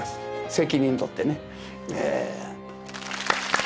責任取ってね。